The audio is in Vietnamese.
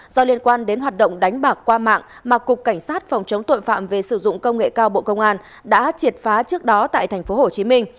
do liên quan đến hoạt động đánh bạc qua mạng mà cục cảnh sát phòng chống tội phạm về sử dụng công nghệ cao bộ công an đã triệt phá trước đó tại tp hcm